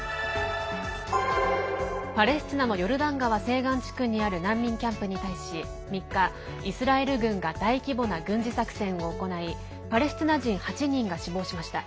パレスチナのヨルダン川西岸地区にある難民キャンプに対し３日、イスラエル軍が大規模な軍事作戦を行いパレスチナ人８人が死亡しました。